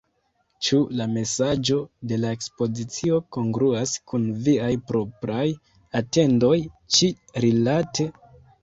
Ĉu la mesaĝo de la ekspozicio kongruas kun viaj propraj atendoj ĉi-rilate?